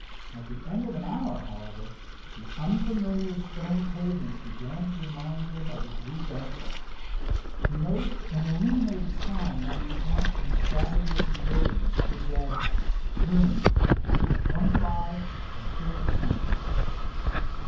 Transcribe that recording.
At the end of an hour, however, the unfamiliar stone pavements began to remind him of his weak ankle. He noticed an illuminated sign running out from a shabby looking building. It read: "Rooms—twenty five and fifty cents."